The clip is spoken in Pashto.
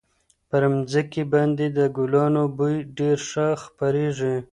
پر مځکي باندي د ګلانو بوی ډېر ښه خپرېږي.